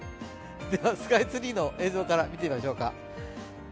スカイツリーの映像から見てみましょうか。